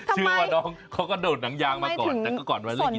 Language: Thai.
เชื่อว่าน้องเขาก็โดดหนังยางมาก่อนแต่ก็ก่อนวัยเล่น